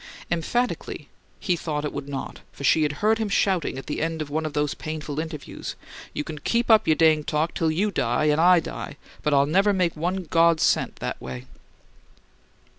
Emphatically, he thought it would not, for she had heard him shouting at the end of one of these painful interviews, "You can keep up your dang talk till YOU die and I die, but I'll never make one God's cent that way!"